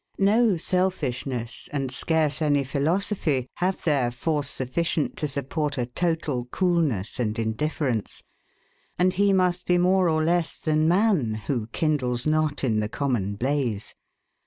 No selfishness, and scarce any philosophy, have there force sufficient to support a total coolness and indifference; and he must be more or less than man, who kindles not in the common blaze.